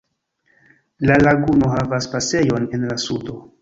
La laguno havas pasejon en la sudo.